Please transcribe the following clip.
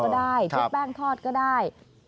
ไทรแป้งทอดก็ได้